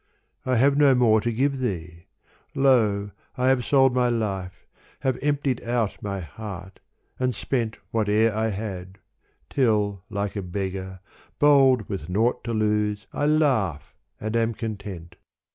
I have no more to give thee : lo, I have sold My life, have emptied out my heart and spent Whate'er I had : till like a beggar, bold With nought to lose, I laugh and am content.